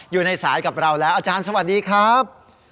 อยู่ในสายกับเราแล้วอาจารย์สวัสดีครับ